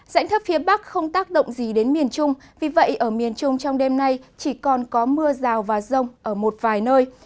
dãnh thấp phía bắc không tác động gì đến miền trung vì vậy ở miền trung trong đêm nay chỉ còn có mưa rào và rông ở một vài nơi